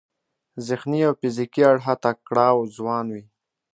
ذهني او فزیکي اړخه تکړه او ځوان وي.